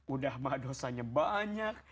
udah mah dosanya banyak